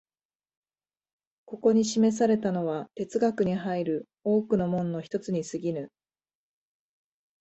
ここに示されたのは哲学に入る多くの門の一つに過ぎぬ。